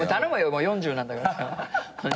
もう４０なんだから。